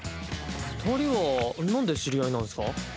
二人はなんで知り合いなんすか？